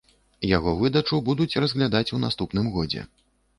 Яго выдачу будуць разглядаць у наступным годзе.